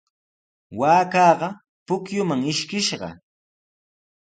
Waakaqa pukyuman ishkishqa.